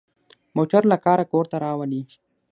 موټر له کاره کور ته راولي.